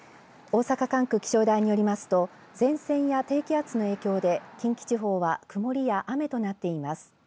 大阪管区気象台によりますと前線や低気圧の影響で近畿地方は曇りや雨となっています。